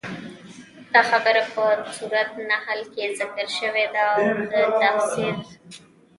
دا خبره په سورت نحل کي ذکر شوي ده، او د تفسير